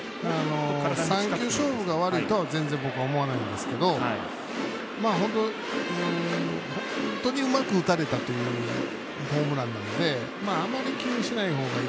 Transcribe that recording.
３球勝負が悪いとは全然悪いとは思わないんですけど本当にうまく打たれたというホームランなのであまり気にしないほうがいい。